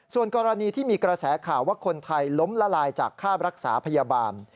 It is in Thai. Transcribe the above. ส่วนกรณีที่มีกระแสข่าวว่าคนไทยล้มละลายจากค่ารักษาพยาบาล